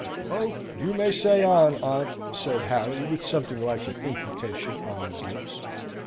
"Oh, you may say on, aunt!" said Harry, with something like an imprecation on his lips.